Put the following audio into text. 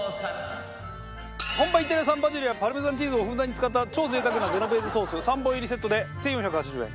本場イタリア産バジルやパルメザンチーズをふんだんに使った超贅沢なジェノベーゼソース３本入りセットで１４８０円。